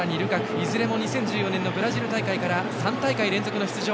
いずれも２０１４年のブラジル大会から３大会連続の出場。